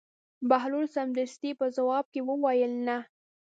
بهلول سمدستي په ځواب کې وویل: نه.